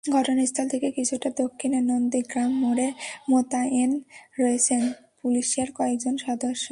ঘটনাস্থল থেকে কিছুটা দক্ষিণে নন্দীগ্রাম মোড়ে মোতায়েন রয়েছেন পুলিশের কয়েকজন সদস্য।